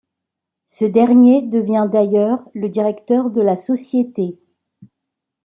Ce dernier devient d'ailleurs le directeur de la société.